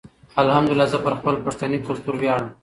الحمدالله زه پر خپل پښنې کلتور ویاړم.